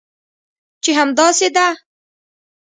چې همداسې ده؟